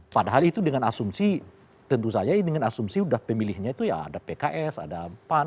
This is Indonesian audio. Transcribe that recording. padahal itu dengan asumsi tentu saja dengan asumsi udah pemilihnya itu ya ada pks ada pan